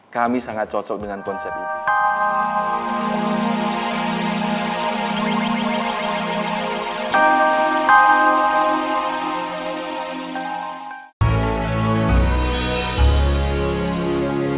kami sangat cocok dengan konsep ini